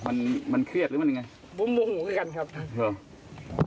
มันมันเครียดหรือมันยังไงบุ้มบุ้มหัวขึ้นกันครับครับเหรอ